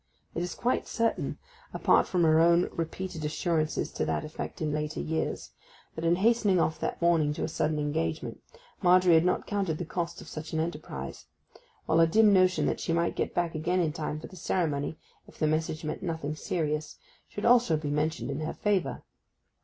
It is quite certain—apart from her own repeated assurances to that effect in later years—that in hastening off that morning to her sudden engagement, Margery had not counted the cost of such an enterprise; while a dim notion that she might get back again in time for the ceremony, if the message meant nothing serious, should also be mentioned in her favour.